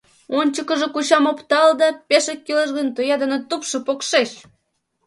Ончыкыжо кучам оптал да, пешак кӱлеш гын, тоя дене тупшо покшеч!